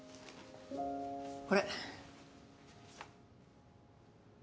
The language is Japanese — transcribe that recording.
これ。